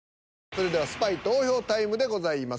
それではスパイ投票タイムでございます。